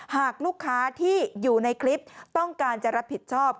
หากลูกค้าที่อยู่ในคลิปต้องการจะรับผิดชอบ